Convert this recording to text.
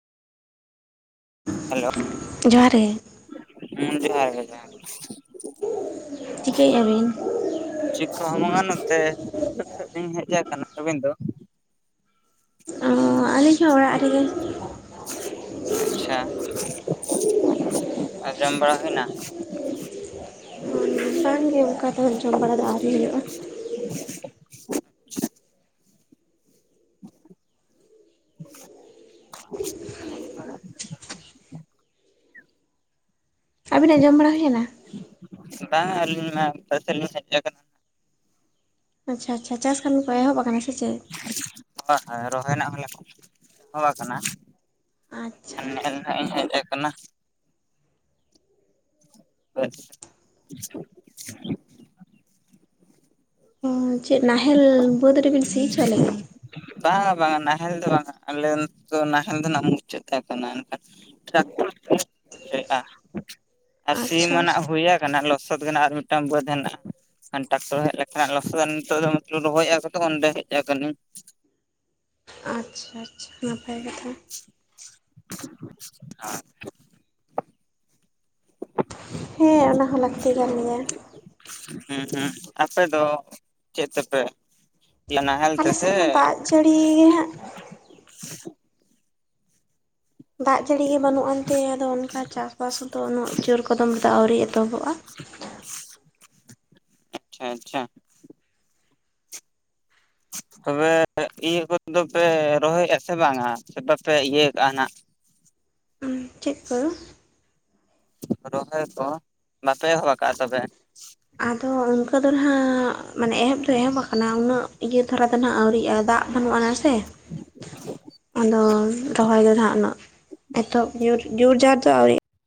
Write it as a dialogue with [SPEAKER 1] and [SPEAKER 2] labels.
[SPEAKER 1] Hello,
[SPEAKER 2] ᱡᱚᱦᱟᱨ ᱜᱮ
[SPEAKER 1] ᱦᱮᱸ ᱡᱚᱦᱟᱨ ᱜᱮ ᱡᱚᱦᱟᱨ᱾
[SPEAKER 2] ᱪᱤᱠᱟᱹᱭ ᱮᱜ-ᱟ ᱵᱤᱱ?
[SPEAKER 1] ᱪᱤᱠ ᱠᱚᱦᱚᱸ ᱵᱟᱝᱟ ᱱᱚᱛᱮ [unintelligible] ᱥᱮᱜ ᱞᱤᱧ ᱦᱮᱜ ᱟᱠᱟᱱᱟ᱾ ᱟᱹᱵᱤᱱ ᱫᱚ?
[SPEAKER 2] ᱚᱸ ᱟᱞᱤᱧ ᱦᱚᱸ ᱚᱲᱟᱜ ᱨᱮᱜᱮ᱾
[SPEAKER 1] ᱟᱪᱪᱷᱟ ᱟᱨ ᱡᱚᱢ ᱵᱟᱲᱟ ᱦᱩᱭᱱᱟ
[SPEAKER 2] ᱵᱟᱝ ᱜᱮ ᱚᱱᱠᱟ ᱫᱚ ᱡᱚᱢ ᱵᱟᱲᱟ ᱫᱚ ᱦᱟᱸᱜ ᱟᱹᱣᱨᱤ ᱦᱩᱭᱩᱜᱼᱟ᱾ [inaudible]
[SPEAKER 1] [unintelligible]
[SPEAKER 2] ᱟᱵᱤᱱᱟᱜ ᱡᱚᱢ ᱵᱟᱲᱟ ᱦᱩᱭᱱᱟ?
[SPEAKER 1] ᱵᱟᱝ ᱟᱹᱞᱤᱧ ᱢᱟ ᱯᱟᱥᱮᱫ ᱞᱤᱧ ᱥᱮᱴᱮᱨ ᱠᱟᱱᱟ᱾
[SPEAKER 2] ᱟᱪᱪᱷᱟ ᱟᱪᱪᱷᱟ ᱪᱟᱥ ᱠᱟᱹᱢᱤ ᱠᱚ ᱮᱦᱚᱵ ᱟᱠᱟᱱᱟ ᱥᱮ ᱪᱮᱫ?
[SPEAKER 1] ᱦᱳᱭ ᱦᱳᱭ ᱨᱚᱦᱚᱭ ᱨᱮᱱᱟᱜ ᱦᱚᱸᱞᱮ ᱮᱦᱚᱵ ‌ᱠᱟᱱᱟ᱾
[SPEAKER 2] ᱟᱪᱪᱷᱟ
[SPEAKER 1] ᱚᱱᱮ [unintelligible] ᱤᱧ ᱦᱮᱜ ᱟᱠᱟᱱᱟ᱾ ᱦᱚ ᱟᱪᱪᱷᱟ [inaudible]
[SPEAKER 2] ᱪᱮᱫ ᱱᱟᱦᱮᱞ ᱵᱟᱹᱫᱽ ᱨᱮᱵᱤᱱ ᱥᱤ ᱦᱚᱪᱚ ᱞᱮᱜᱮ?
[SPEAKER 1] ᱵᱟᱝᱟ ᱵᱟᱝᱟ ᱱᱟᱦᱮᱞ ᱫᱚ ᱵᱟᱝᱟ ᱟᱞᱮ ᱱᱚᱛᱮ ᱫᱚ ᱱᱟᱦᱮᱞ ᱫᱚ ᱦᱟᱸᱜ ᱢᱩᱪᱟᱹᱫ ᱛᱟᱦᱮᱸ ᱠᱟᱱᱟ ᱚᱱᱠᱟ᱾ [unintelligible] ᱟᱨ
[SPEAKER 2] ᱟᱪᱪᱷᱟ
[SPEAKER 1] ᱥᱤᱢᱱᱟᱜ ᱦᱩᱭᱟᱠᱟᱱᱟ ᱞᱚ ᱥᱚᱛ ᱠᱟᱱᱟ ᱟᱨ ᱢᱤᱫᱴᱟᱝ ᱵᱟᱹᱫᱽ ᱦᱮᱱᱟᱜᱼᱟ ᱴᱟᱠᱴᱚᱨ ᱦᱮᱜ ᱞᱮᱱᱠᱷᱟᱱ ᱞᱚᱥᱚᱫ ᱫᱟᱞᱮ ᱱᱤᱛᱚᱜ ᱫᱚ ᱨᱚᱦᱚᱭᱮᱫᱼᱟ ᱠᱚ ᱛᱚ ᱚᱸᱰᱮ, ᱦᱮᱜ ᱟᱠᱟᱹᱱᱟᱹᱧ᱾
[SPEAKER 2] ᱟᱪᱪᱷᱟ ᱟᱪᱪᱷᱟ ᱱᱟᱯᱟᱭ ᱠᱟᱛᱷᱟ,
[SPEAKER 1] ᱦᱟᱸ
[SPEAKER 2] ᱦᱮᱸ ᱚᱱᱟ ᱦᱚᱸ ᱞᱟᱹᱠᱛᱤ ᱠᱟᱱ ᱜᱮᱭᱟ᱾
[SPEAKER 1] ᱦᱮᱸ ᱦᱮᱸ ᱟᱯᱮ ᱫᱚ ᱪᱮᱫ ᱛᱮᱯᱮ ᱱᱟᱦᱮᱞ ᱛᱮ
[SPEAKER 2] ᱟᱞᱮ ᱥᱮᱫ
[SPEAKER 1] ᱥᱮ,
[SPEAKER 2] ᱢᱟ ᱫᱟᱜ ᱡᱟᱹᱲᱤ ᱦᱟᱸᱜ ᱫᱟᱜᱽ ᱡᱟᱹᱲᱤ ᱜᱮ ᱵᱟᱹᱱᱩᱜᱼᱟ ᱮᱱᱛᱮ ᱟᱫᱚ ᱚᱱᱠᱟ ᱪᱟᱥᱵᱟᱥ ᱦᱚᱸᱛᱚ ᱩᱱᱟᱹᱜ ᱡᱳᱨ ᱠᱚᱫᱚᱢ ᱨᱮᱫᱚ ᱟᱹᱣᱨᱤ ᱮᱛᱚᱦᱚᱵᱚᱜᱼᱟ᱾
[SPEAKER 1] ᱟᱪᱪᱷᱟ ᱟᱪᱪᱷᱟ, ᱛᱚᱵᱮ ᱤᱭᱟᱹ ᱠᱚᱫᱚ ᱯᱮ ᱨᱚᱦᱚᱭᱮᱜᱼᱟ ᱥᱮ ᱵᱟᱝᱟ ᱥᱮ ᱵᱟᱯᱮ ᱤᱭᱟᱹ ᱠᱟᱜᱼᱟ ᱱᱟᱜ?
[SPEAKER 2] ᱩᱸ ᱪᱮᱜ ᱠᱚ?
[SPEAKER 1] ᱨᱚᱦᱚᱭ ᱠᱚ ᱵᱟᱯᱮ ᱮᱦᱚᱵ ᱠᱟᱜᱼᱟ ᱛᱚᱵᱮ,
[SPEAKER 2] ᱟᱫᱚ ᱚᱱᱠᱟᱹ ᱫᱚ ᱱᱟᱦᱟᱜ ᱢᱟᱱᱮ ᱮᱦᱚᱵ ᱫᱚ ᱮᱦᱚᱵ ᱟᱠᱟᱱᱟ ᱩᱱᱟᱹᱜ ᱤᱭᱟᱹ ᱫᱷᱟᱨᱟ ᱫᱚ ᱱᱟᱦᱟᱜ ᱟᱹᱣᱨᱤᱜᱼᱟ ᱫᱟᱜᱽ ᱵᱟᱹᱱᱩᱜᱼᱟ ᱱᱮᱥ, ᱛᱮ ᱟᱫᱚ ᱨᱚᱦᱚᱭ ᱫᱚᱲᱦᱟ ᱩᱱᱟᱹᱜ ᱮᱛᱚᱵ ᱡᱳᱨ ᱡᱳᱨ ᱡᱟᱨ ᱫᱚ ᱟᱹᱣᱨᱤ᱾